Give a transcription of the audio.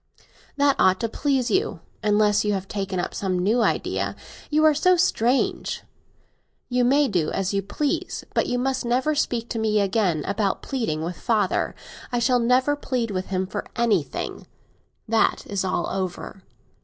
That ought to please you, unless you have taken up some new idea; you are so strange. You may do as you please; but you must never speak to me again about pleading with father. I shall never plead with him for anything; that is all over.